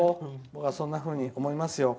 僕はそんなふうに思いますよ。